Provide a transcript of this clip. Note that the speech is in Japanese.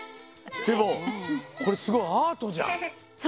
でもこれすごいアートじゃん。